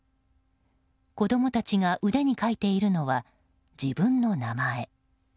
子供たちが腕に書いているのは自分の名前。